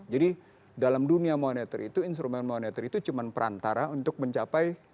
jadi dalam dunia monitor itu instrumen monitor itu cuma perantara untuk mencapai